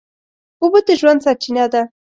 اوبه د ژوند سرچینه ده.